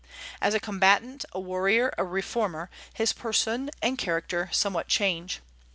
As a combatant, a warrior, a reformer, his person and character somewhat change.